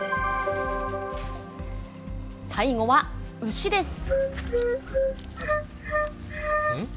最後は牛です。